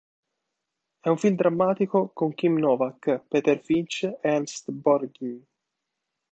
È un film drammatico con Kim Novak, Peter Finch e Ernest Borgnine.